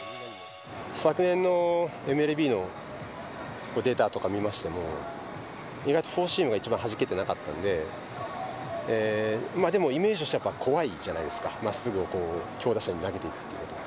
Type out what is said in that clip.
昨年のＭＬＢのデータとか見ましても、意外とフォーシームがはじけてなかったんで、でもイメージとしては怖いじゃないですか、まっすぐを強打者に投げていくっていうのは。